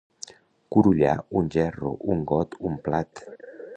Curullar un gerro, un got, un plat.